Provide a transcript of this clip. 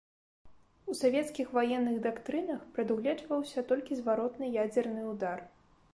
У савецкіх ваенных дактрынах прадугледжваўся толькі зваротны ядзерны ўдар.